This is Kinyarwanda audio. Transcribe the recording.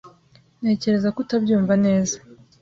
Ntekereza ko utabyumva neza.